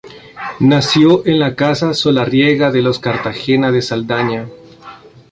Nació en la casa solariega de los Cartagena de Saldaña.